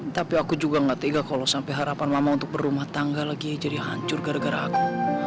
tapi aku juga gak tega kalau sampai harapan lama untuk berumah tangga lagi jadi hancur gara gara aku